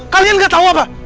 kalian gak tahu apa